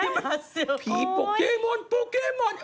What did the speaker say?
โอ๊ยผีโปเกมอนโปเกมอน